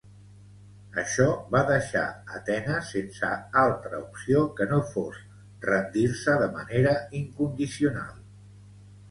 Això va deixar Atenes sense altra opció que no fos rendir-se de manera incondicional.